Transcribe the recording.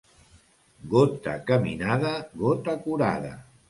Gota caminada, gota curada.